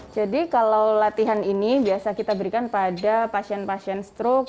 jadi kalau latihan ini biasa kita berikan pada pasien pasien strok